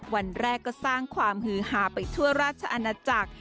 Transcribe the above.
วันแรกก็สร้างความฮือหาไปทั่วราชอาณาจักร